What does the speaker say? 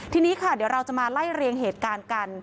ทีนี้ค่ะเดี๋ยวเราจะมาไล่เรียงเหตุการณ์กัน